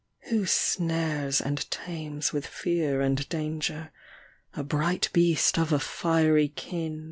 Who snares and tames with fear and danger A bright beast of a fiery kin.